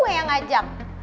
gue yang ajak